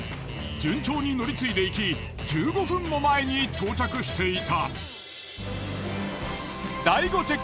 順調に乗り継いでいき１５分も前に到着していた。